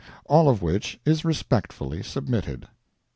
All of which is respectfully submitted.